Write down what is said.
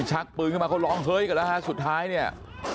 เฮ้ยปืนขึ้นมาเขาลองเฮยกันแล้วครับสุดท้ายเนี่ย